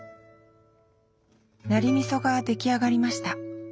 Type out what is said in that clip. ナリ味噌が出来上がりました。